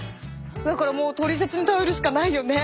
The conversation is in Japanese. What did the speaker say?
だからもうトリセツに頼るしかないよね。